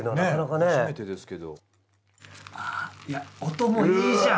音もいいじゃん！